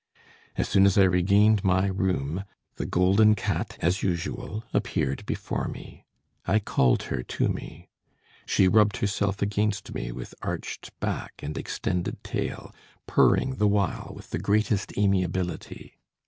As soon as I regained my room the golden cat, as usual, appeared before me. I called her to me; she rubbed herself against me with arched back and extended tail, purring the while with the greatest amiability.